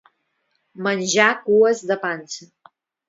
Menjar cues de pansa.